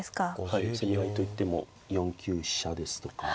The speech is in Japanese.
はい攻め合いといっても４九飛車ですとか。